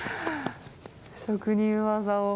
職人技を。